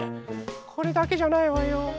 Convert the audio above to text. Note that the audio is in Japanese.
これだけじゃないわよ。